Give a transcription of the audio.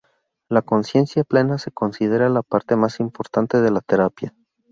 La conciencia plena se considera la parte más importante de la terapia.